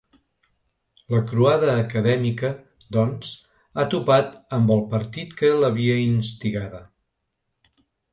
La croada acadèmica, doncs, ha topat amb el partit que l’havia instigada.